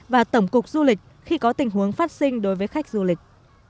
và tổng cục du lịch khi có tình huống phát sinh đối với khách du lịch